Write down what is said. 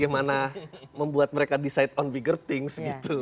gimana membuat mereka decide on bigger things gitu